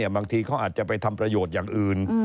บางทีเขาอาจจะไปทำประโยชน์อย่างอื่น